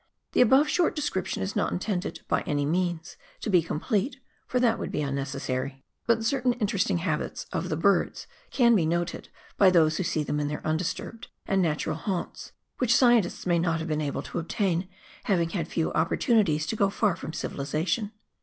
The above short description is not intended, by any means, to be com plete, for that would be unnecessary. But certain interesting habits of the birds can be noted by those who see them in their undisturbed and natural haunts, which scientists may not have been able to obtain, having had few opportunities to go far from civilisation.